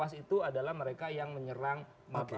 karena itu adalah mereka yang menyerang makobrimob